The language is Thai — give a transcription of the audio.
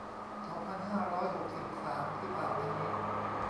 สองพันห้าร้อยหกสิบสาม ที่ผ่านมานี้